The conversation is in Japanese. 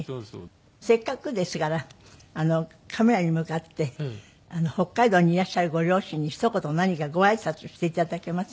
せっかくですからカメラに向かって北海道にいらっしゃるご両親にひと言何かご挨拶して頂けません？